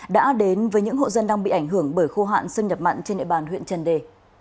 đã đến với những hộ dân đang bị ảnh hưởng bởi khô hạn xâm nhập mặn trên địa bàn huyện trần đề